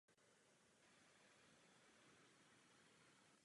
Zahájení i závěrečné Gala se odehrálo v Budvar aréně.